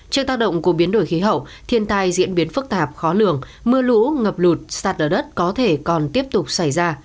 trước tác động của biến đổi khí hậu thiên tai diễn biến phức tạp khó lường mưa lũ ngập lụt sạt lở đất có thể còn tiếp tục xảy ra